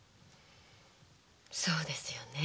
そうですね。